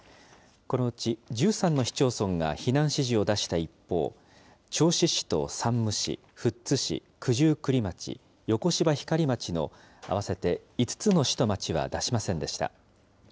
このうち１３の市町村が避難指示を出した一方、銚子市と山武市、富津市、九十九里町、横芝光町の合わせて５つの市と町は出しませんでした。